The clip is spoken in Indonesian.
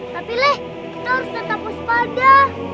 tapi lih kita harus tetap bersepada